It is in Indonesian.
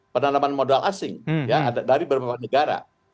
penanaman modal asing ya dari beberapa negara